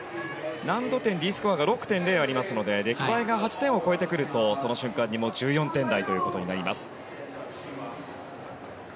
難度点、Ｄスコアが６．０ありますので出来栄えが８点を超えてくるとその瞬間に１４点台となります。